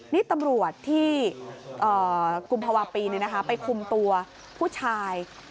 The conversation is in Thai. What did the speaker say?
นี่ตำรวจที่กลุ่มภาวะปีเนี่ยนะคะไปคลุมตัวผู้ชาย